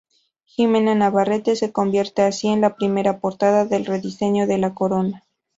Ximena Navarrete, se convierte así en la primera portadora del rediseño de la corona.